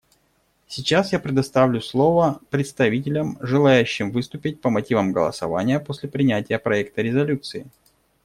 Сейчас я предоставлю слово представителям, желающим выступить по мотивам голосования после принятия проекта резолюции.